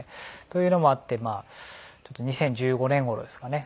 というのもあって２０１５年頃ですかね